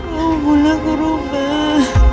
kamu pulang ke rumah